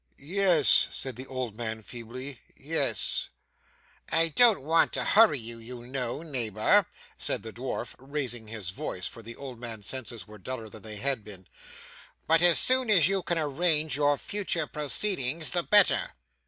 'Yes,' said the old man feebly, 'yes.' 'I don't want to hurry you, you know, neighbour,' said the dwarf, raising his voice, for the old man's senses were duller than they had been; 'but, as soon as you can arrange your future proceedings, the better.